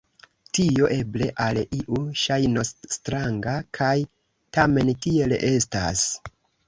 Tio eble al iu ŝajnos stranga, kaj tamen tiel estas.